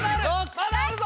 まだあるぞ！